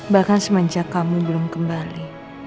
bahkan semenjak kamu belum kembali